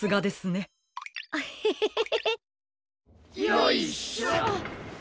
よいしょ。